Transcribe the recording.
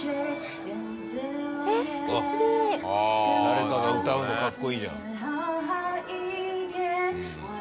誰かが歌うのかっこいいじゃん。